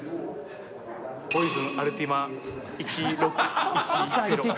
ポイズンアルティマ１６１０